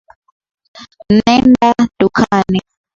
Nenda dukani